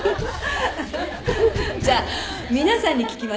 「じゃあ皆さんに聞きますよ」